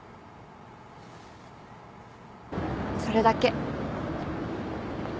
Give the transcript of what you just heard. それだけ。